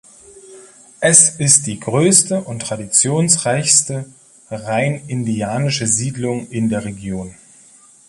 Es ist die größte und traditionsreichste rein indianische Siedlung in der Region.